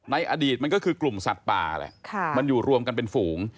ในอดีตมันก็คือกลุ่มสัตว์ป่าแหละมันอยู่รวมกันเป็นฝูง